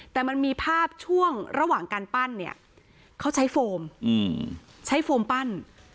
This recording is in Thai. แต่มันมีภาพช่วงระหว่างการปั้นเนี่ยเขาใช้โฟมใช้โฟมปั้น